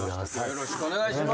よろしくお願いします。